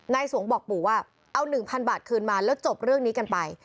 สวงบอกปู่ว่าเอา๑๐๐บาทคืนมาแล้วจบเรื่องนี้กันไป